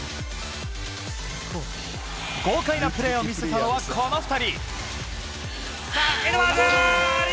豪快なプレーを見せたのはこの２人。